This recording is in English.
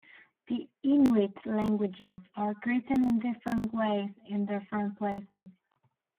The Inuit languages are written in different ways in different places.